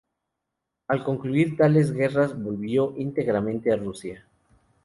Al concluir tales guerras volvió íntegramente a Rusia.